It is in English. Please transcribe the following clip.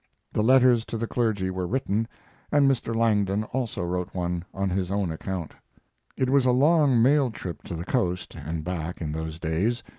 The letters to the clergy were written, and Mr. Langdon also wrote one on his own account. It was a long mail trip to the Coast and back in those days.